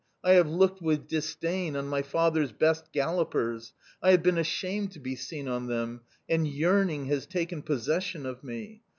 I have looked with disdain on my father's best gallopers; I have been ashamed to be seen on them, and yearning has taken possession of me.